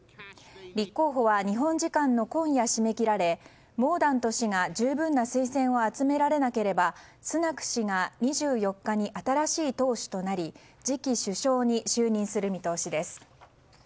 立候補は日本時間の今夜締め切られモーダント氏が十分な推薦を集められなければスナク氏が２４日に新しい党首となり次期首相に就任する見通しです。